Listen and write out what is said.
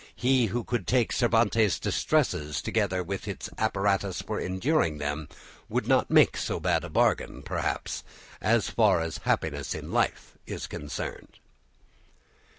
He who could take Cervantes' distresses together with his apparatus for enduring them would not make so bad a bargain, perhaps, as far as happiness in life is concerned.